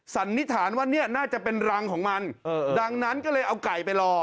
สันนิษฐานว่าเนี่ยน่าจะเป็นรังของมันดังนั้นก็เลยเอาไก่ไปรอ